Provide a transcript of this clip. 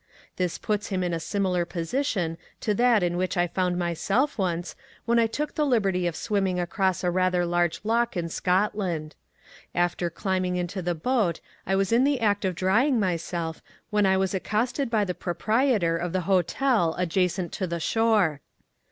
This puts him in a similar position to that in which I found myself once when I took the liberty of swimming across a rather large loch in Scotland. After climbing into the boat I was in the act of drying myself when I was accosted by the proprietor of the hotel adjacent to the shore.